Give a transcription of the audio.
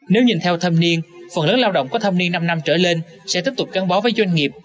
nếu nhìn theo thâm niên phần lớn lao động có thâm niên năm năm trở lên sẽ tiếp tục gắn bó với doanh nghiệp